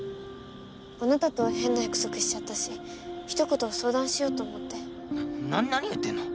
あなたとは変な約束しちゃったしひと言相談しようと思ってなな何言ってんの！